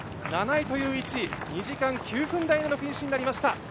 ７位という位置、２時間９分台でのゴールとなりました。